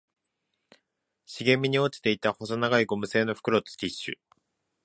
茂みに落ちていた細長いゴム製の袋とティッシュ